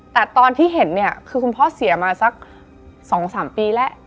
แต่ตอนที่เห็นเนี่ยคือคุณพ่อเสียมาสัก๒๓ปีแล้ว